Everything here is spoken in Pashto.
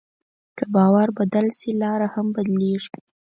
که باور بدل شي، لاره هم بدلېږي.